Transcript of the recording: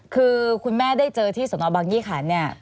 คือคุณแม่ได้เจอที่สนบังยี่ขันเนี่ย